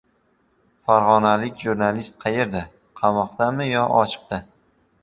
Farg‘onalik jurnalist qayerda: qamoqdami yo ochiqda?